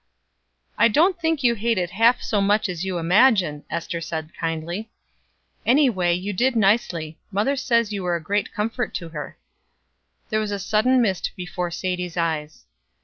"I don't think you hate it half so much as you imagine," Ester answered kindly. "Any way you did nicely. Mother says you were a great comfort to her." There was a sudden mist before Sadie's eyes.